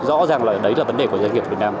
rõ ràng là đấy là vấn đề của doanh nghiệp việt nam